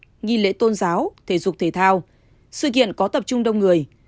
dừng tổ chức các hoạt động văn hóa lễ hội nghệ thuật nghi lễ tôn giáo thể thao sự kiện có tập trung đông người